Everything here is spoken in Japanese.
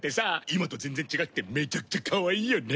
今と全然違ってめちゃくちゃかわいいよね。